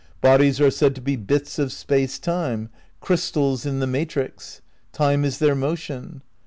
Bodies are said to be bits of Space Time, crystals in the matrix; Time is their motion.